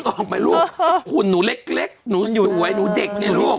นี่ออกไหมลูกคุณหนูเล็กหนูอยู่ไว้หนูเด็กเนี่ยลูก